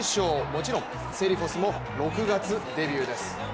もちろんセリフォスも６月デビューです。